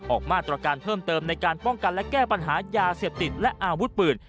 ออกมาตรการเพิ่มเติมในการป้องกันและแก้ปัญหายาเสพติดและอาวุธปืน